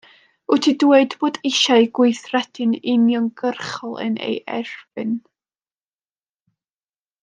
Wyt ti'n dweud bod eisiau gweithredu'n uniongyrchol yn ei erbyn?